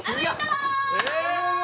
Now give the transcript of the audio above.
え？